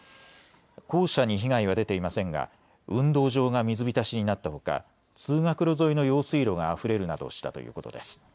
校舎に被害は出ていませんが運動場が水浸しになったほか通学路沿いの用水路があふれるなどしたということです。